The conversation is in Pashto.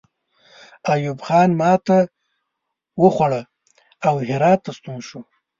ایوب خان ماته وخوړه او هرات ته ستون شو.